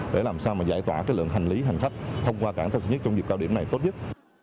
để làm sao mà giải tỏa cái lượng hành lý hành khách thông qua cảng tân sơn nhất trong dịp cao điểm này tốt nhất